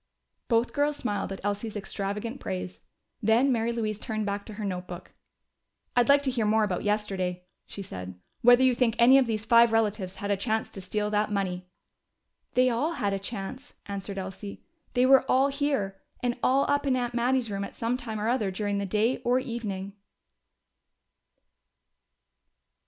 Both girls smiled at Elsie's extravagant praise. Then Mary Louise turned back to her notebook. "I'd like to hear more about yesterday," she said: "whether you think any of these five relatives had a chance to steal that money." "They all had a chance," answered Elsie. "They were all here and all up in Aunt Mattie's room at some time or other during the day or evening!"